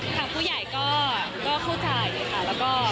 ทางผู้ใหญ่ก็เข้าใจเลยค่ะ